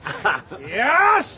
よし！